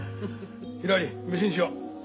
ひらり飯にしよう。